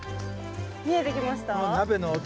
見えてきました？